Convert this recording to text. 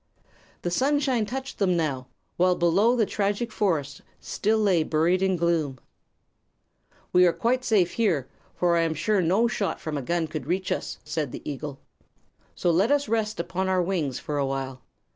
The sunshine touched them now, while below the tragic forest still lay buried in gloom. "We are quite safe here, for I am sure no shot from a gun could reach us," said the eagle. "So let us rest upon our wings for a while.